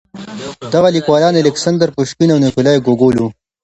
دغه ليکوالان الکساندر پوشکين او نېکولای ګوګول وو.